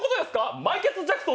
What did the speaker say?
マイケツ・ジャクソン。